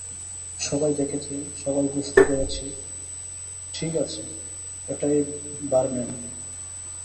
সবাই দেখেছে - সবাই - বুঝতে পেরেছি ঠিক আছে, এটাই, বারম্যান।